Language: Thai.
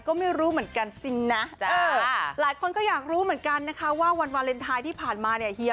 ก็ไม่รู้เหมือนกันซินะหลายคนก็อยากรู้เหมือนกันนะคะว่าวันวาเลนไทยที่ผ่านมาเนี่ยเฮีย